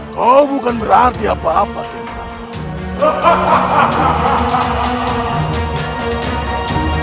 kau bukan berarti apa apa kisah